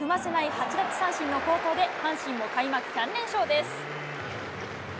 ８奪三振の好投で阪神も開幕３連勝です。